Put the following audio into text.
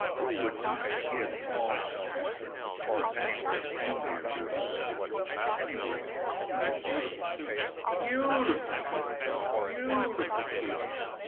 Who would not give all else for two Pennyworth only of Beautiful Soup? Pennyworth only of beautiful Soup? Beau ootiful Soo oop! Beau ootiful Soo oop!